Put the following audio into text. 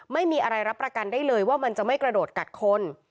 ไม่มีอะไรรับประกันได้เลยว่ามันจะไม่กระโดดกัดคน